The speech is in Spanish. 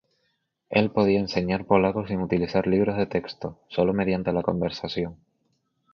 Él podía enseñar polaco sin utilizar libros de texto, solo mediante la conversación.